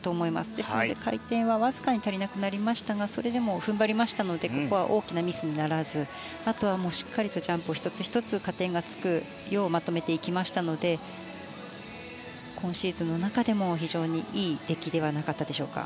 ですので回転はわずかに足りなくなりましたがそれでも踏ん張りましたのでここは大きなミスにならずあとはしっかりジャンプ１つ１つ加点がつくようまとめていきましたので今シーズンの中でも、非常にいい出来ではなかったでしょうか。